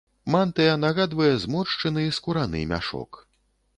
Мантыя нагадвае зморшчыны скураны мяшок.